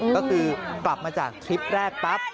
ก็คือกลับมาจากทริปแรกปั๊บ